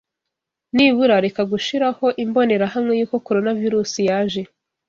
Nibura reka gushiraho imbonerahamwe yuko Coronavirus yaje.